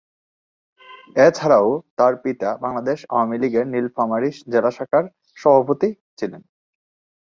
এছাড়াও তার পিতা বাংলাদেশ আওয়ামী লীগের নীলফামারী জেলা শাখার সভাপতি ছিলেন।